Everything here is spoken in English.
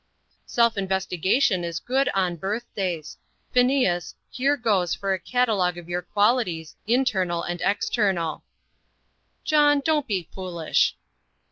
"Self investigation is good on birthdays. Phineas, here goes for a catalogue of your qualities, internal and external." "John, don't be foolish."